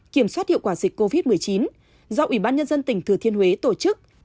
kiểm soát hiệu quả dịch covid một mươi chín do ubnd tỉnh thừa thiên huế tổ chức